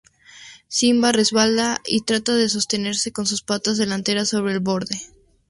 Simba resbala y trata de sostenerse, con sus patas delanteras sobre el borde.